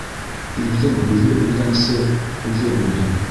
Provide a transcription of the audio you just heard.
Ирҙең һүҙе үлгәнсе, үҙе үлһен.